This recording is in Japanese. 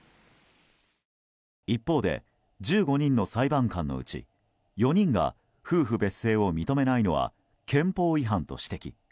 一方で１５人の裁判官のうち４人が夫婦別姓を認めないのは憲法違反と指摘。